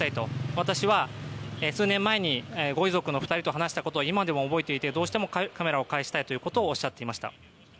私は数年前にご遺族の２人と話したことを今でも覚えていて、どうしてもカメラを返したいことをおっしゃっていました。